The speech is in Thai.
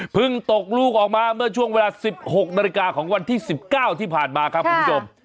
ตกลูกออกมาเมื่อช่วงเวลา๑๖นาฬิกาของวันที่๑๙ที่ผ่านมาครับคุณผู้ชม